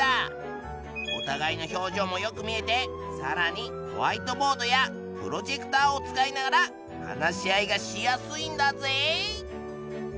おたがいの表情もよく見えてさらにホワイトボードやプロジェクターを使いながら話し合いがしやすいんだぜ！